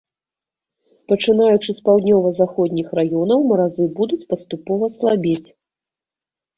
Пачынаючы з паўднёва-заходніх раёнаў, маразы будуць паступова слабець.